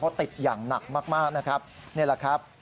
เพราะติดอย่างหนักมากนะครับนี่แหละครับ